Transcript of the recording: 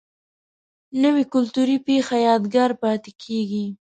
نوې کلتوري پیښه یادګار پاتې کېږي